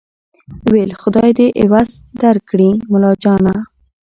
ویل خدای دي عوض درکړي ملاجانه